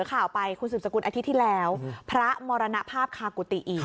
ข่าวปายสุรรคุณอาทศิคปุชธอาทิตย์ที่แล้วพระมรณภาพคาปุฏิ